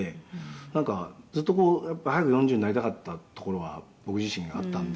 「なんかずっとこう早く４０になりたかったところは僕自身あったんで」